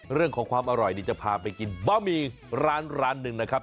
เรื่องของความอร่อยนี่จะพาไปกินบะหมี่ร้านหนึ่งนะครับ